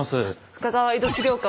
深川江戸資料館